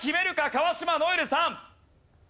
川島如恵留さん。